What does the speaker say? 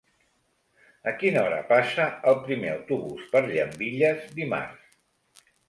A quina hora passa el primer autobús per Llambilles dimarts?